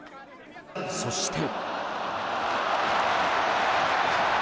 そして。